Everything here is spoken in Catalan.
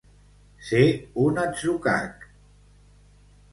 Ser un atzucac.